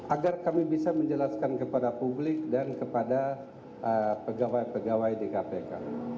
agar kami bisa menjelaskan kepada publik dan kepada pegawai pegawai di kpk